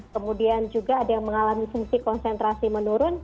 kemudian juga ada yang mengalami fungsi konsentrasi menurun